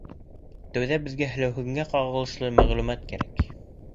Тәүҙә беҙгә һеләүһенгә ҡағылышлы мәғлүмәт кәрәк.